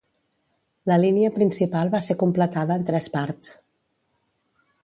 La línia principal va ser completada en tres parts.